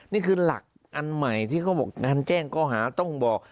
นี่คือหลักอันใหม่ที่เขาบอกการแจ้งข้อหาต้องบอก